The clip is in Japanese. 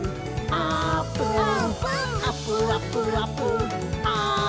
あーぷん！